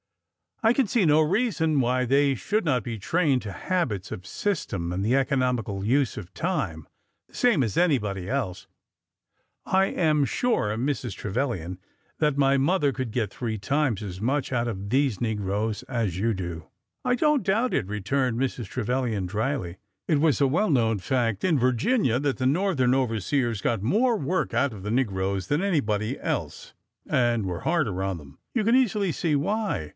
''—I can see no reason why they should not be trained to habits of system and the economical use of time, the same as anybody else. I am sure, Mrs. Trevilian, that my mother could get three times as much out of these negroes as you do." " I don't doubt it," returned Mrs. Trevilian, dryly. " It was a well known fact in Virginia that the Northern over seers got more work out of the negroes than anybody else — ansd were harder on them. You can easily see why.